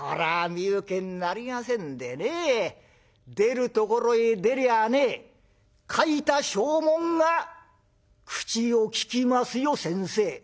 身請けになりませんでね出るところへ出りゃあね書いた証文が口を利きますよ先生」。